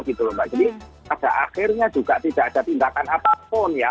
jadi ada akhirnya juga tidak ada tindakan apapun ya